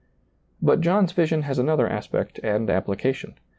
But John's vision has another aspect and ap phcation.